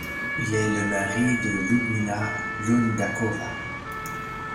Il est le mari de Ludmila Lundáková.